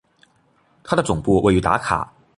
它的总部位于达卡。